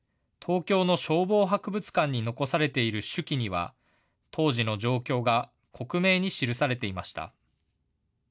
東京の消防博物館に残されている手記には当時の状況が克明に記されていました。